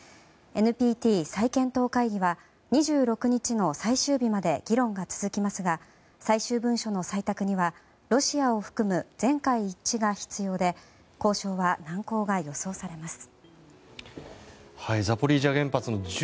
ＮＰＴ再検討会議は２６日の最終日まで議論が続きますが最終文書の採択にはロシアを含む全会一致が必要で交渉は難航が予想されます。